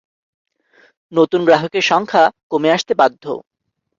নতুন গ্রাহকের সংখ্যা কমে আসতে বাধ্য।